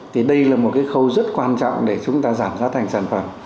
thì đây là một cái khâu rất quan trọng để chúng ta giảm giá thành sản phẩm